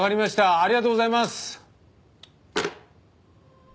ありがとうございます。